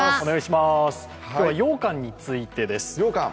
今日はようかんについてです。